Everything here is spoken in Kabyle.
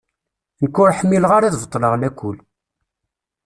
Nekk ur ḥmileɣ ara ad beṭṭleɣ lakul.